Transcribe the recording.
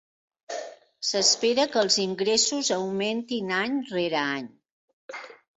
S'espera que els ingressos augmentin any rere any.